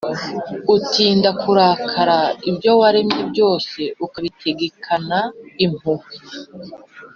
utinda kurakara, n’ibyo waremye byose ukabitegekana impuhwe.